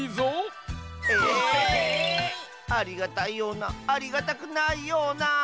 ⁉ありがたいようなありがたくないような。